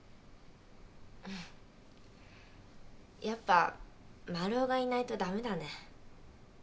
やっぱマルオがいないと駄目だね。